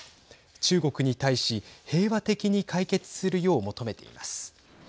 中国に対し平和的に解決するよう求めています。